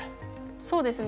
そうですね。